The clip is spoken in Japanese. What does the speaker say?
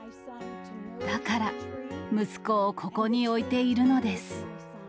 だから息子をここに置いているのです。